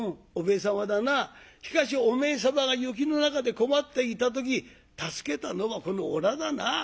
しかしお前様が雪の中で困っていた時助けたのはこのおらだな。